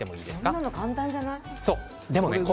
こんなの簡単じゃない？